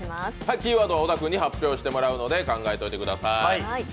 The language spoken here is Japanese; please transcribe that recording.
キーワードは小田君に発表してもらうので考えておいてください。